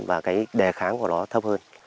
và cái đề kháng của nó thấp hơn